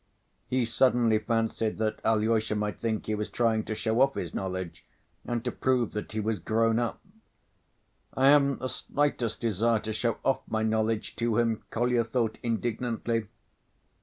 He suddenly fancied that Alyosha might think he was trying to show off his knowledge and to prove that he was "grown up." "I haven't the slightest desire to show off my knowledge to him," Kolya thought indignantly.